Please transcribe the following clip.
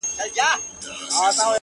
ذخیرې مي کړلې ډیري شین زمری پر جنګېدمه-